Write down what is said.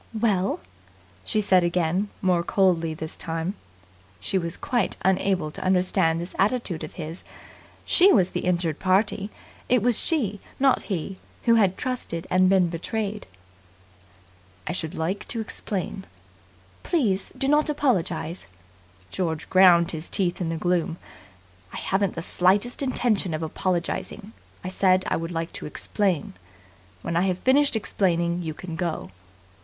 "Well?" she said again, more coldly this time. She was quite unable to understand this attitude of his. She was the injured party. It was she, not he who had trusted and been betrayed. "I should like to explain." "Please do not apologize." George ground his teeth in the gloom. "I haven't the slightest intention of apologizing. I said I would like to explain. When I have finished explaining, you can go."